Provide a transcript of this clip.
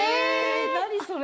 何それ！